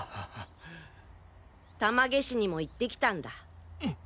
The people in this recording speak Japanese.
玉毛市にも行ってきたんだ。